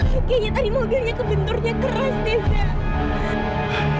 kayaknya tadi mobilnya kebenturnya keras de da